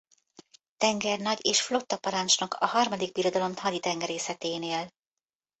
Tengernagy és flottaparancsnok a Harmadik Birodalom haditengerészeténél.